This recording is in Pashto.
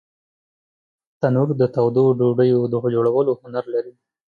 تنور د تودو ډوډیو د جوړولو هنر لري